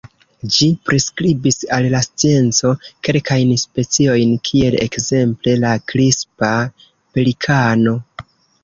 Ĝi priskribis al la scienco kelkajn speciojn kiel ekzemple la Krispa pelikano.